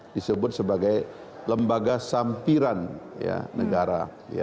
disebut sebagai lembaga sampiran negara